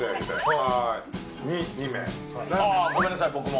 あぁごめんなさい僕も。